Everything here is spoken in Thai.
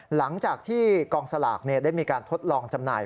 หลังจากที่กองสลากได้มีการทดลองจำหน่าย